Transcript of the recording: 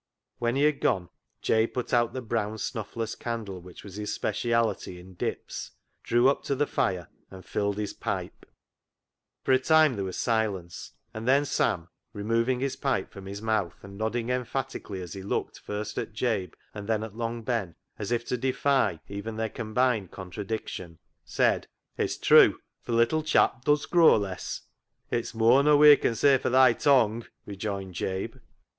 When he had gone, Jabe put out the brown snuffless candle which was his speciality in dips, drew up to the fire, and filled his pipe. 36 CLOG SHOP CHRONICLES For a time there was silence, and then Sam, removing his pipe from his mouth, and nodding emphatically as he looked first at Jabe and then at Long Ben, as if to defy even their combined contradiction, said —" It's trew ! Th' little chap does grow less." " It's moar nor we can say for thy tongue," rejoined Jabe.